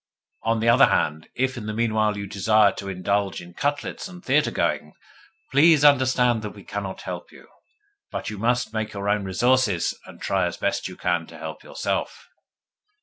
On the other hand, if, in the meanwhile, you desire to indulge in cutlets and theatre going, please understand that we cannot help you, but you must make your own resources, and try as best you can to help yourself.